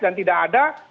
dan tidak ada